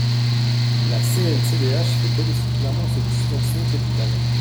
La CNCDH fait elle aussi clairement cette distinction capitale.